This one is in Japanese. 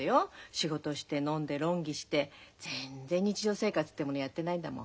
仕事して飲んで論議してぜんぜん日常生活ってものやってないんだもん